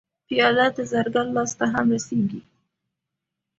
پیاله د زرګر لاس ته هم رسېږي.